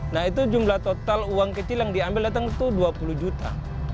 nah itu jumlah total uang kecil yang diambil datang itu dua puluh juta